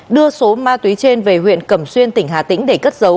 đưa số ma túy trên về huyện cẩm xuyên tỉnh hà tĩnh để cất dấu